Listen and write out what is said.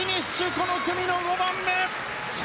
この組の５番目。